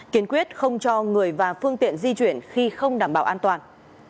kiên quyết không cho người và phương tiện di chuyển khi không đảm bảo an toàn